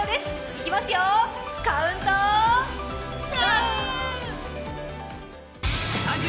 いきますよ、カウントダウン！